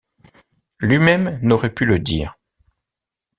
Lui-même n’aurait pu le dire.